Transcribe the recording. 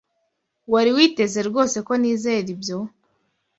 Wari witeze rwose ko nizera ibyo?